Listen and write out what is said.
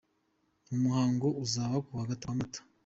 mu muhango uzaba ku wa Mata.